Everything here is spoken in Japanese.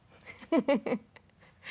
フフフッ。